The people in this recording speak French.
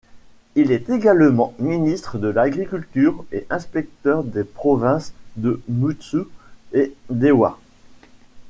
Il est également ministre de l'agriculture et inspecteur des provinces de Mutsu et Dewa.